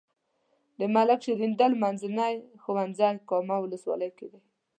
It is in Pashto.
د ملک شیریندل منځنی ښوونځی کامې ولسوالۍ کې دی.